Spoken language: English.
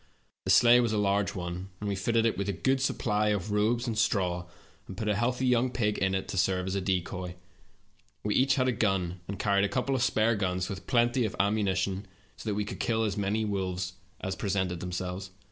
The sleigh was a large one, and we fitted it with a good supply of robes and stra w, and put a healthv '^ "the driver." young pig in it to serve as a decoy. We each had a gun, and carried a couple of spare guns with plenty of ammunition, so that we could kill as many wolves as presented themselves.